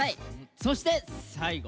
そして最後。